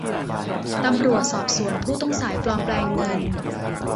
ตำรวจสอบสวนผู้ต้องสงสัยปลอมแปลงเงิน